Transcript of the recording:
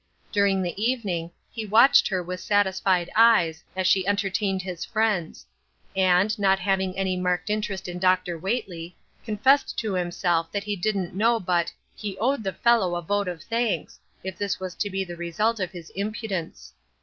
During the evening he watched her with satisfied eyes as she entertained his friends ; and, not having any marked interest in Dr. Whately, confessed to him self that he didn't know but he "owed the fellow a vote of thanks, if this was to be the result of his impudence."